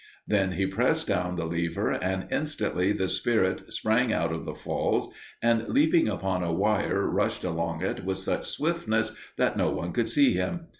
Then he pressed down the lever, and instantly the spirit sprang out of the falls, and leaping upon a wire, rushed along it with such swiftness that no one could see him.